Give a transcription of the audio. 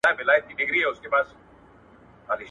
کوز په ټوخي نه ورکېږي.